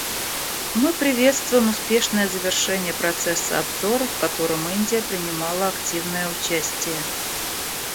Мы приветствуем успешное завершение процесса обзора, в котором Индия принимала активное участие.